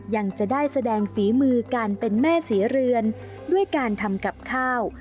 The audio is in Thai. ยังจะได้แสดงฝีมือการเป็นแม่ศรีเรือนด้วยการทำกับข้าว